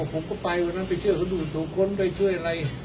ว่าผมก็ไปพอนั้นไปเชื่อถือเขาดูโตคนไปเชื่ออะไร